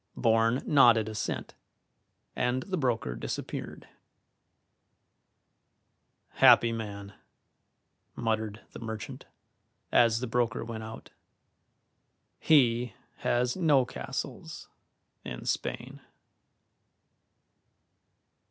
Bourne nodded assent, and the broker disappeared. "Happy man!" muttered the merchant, as the broker went out; "he has no castles in Spain."